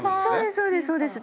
そうですそうです。